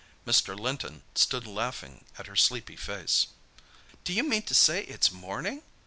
Mr. Linton stood laughing at her sleepy face. "D'you mean to say it's morning?"